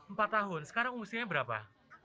empat tahun sekarang usianya berapa